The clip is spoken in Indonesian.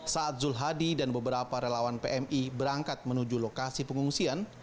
saat zul hadi dan beberapa relawan pmi berangkat menuju lokasi pengungsian